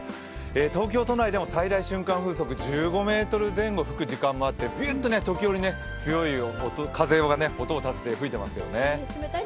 東京都内でも瞬間最大風速５メートル以上吹くときもあってビュッと強い風が音をたてて吹いていますよね。